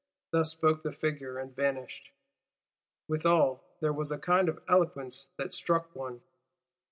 Thus spoke the figure; and vanished. "Withal there was a kind of eloquence that struck one."